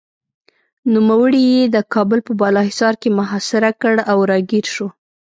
نوموړي یې د کابل په بالاحصار کې محاصره کړ او راګېر شو.